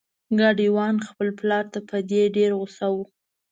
ګاډی وان خپل پلار ته په دې ډیر غوسه و.